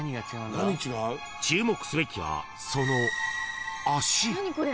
［注目すべきはその脚］